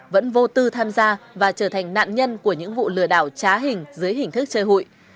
vẫn vô tư tham gia và trở thành nạn nhân của những vụ lừa đảo trá hình dưới hình thức chơi hụi